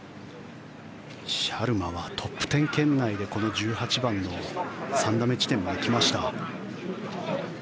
シャルマはトップ１０圏内で１８番の３打目地点まで来ました。